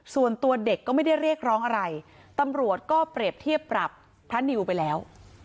ส่วนตัวเด็กก็ไม่ได้เรียกร้องอะไรตำรวจก็เปรียบเทียบปรับพระนิวไปแล้ว